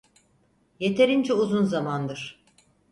Yeterince uzun zamandır.